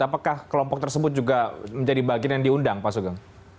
apakah kelompok tersebut juga menjadi bagian yang diundang pak sugeng